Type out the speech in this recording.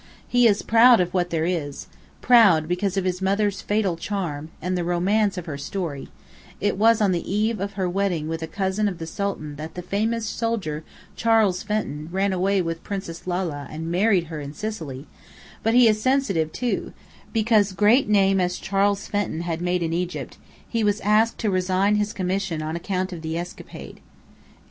He is proud of what there is proud, because of his mother's fatal charm, and the romance of her story (it was on the eve of her wedding with a cousin of the Sultan that the famous soldier Charles Fenton ran away with Princess Lalla and married her in Sicily): but he is sensitive, too, because, great name as Charles Fenton had made in Egypt, he was asked to resign his commission on account of the escapade.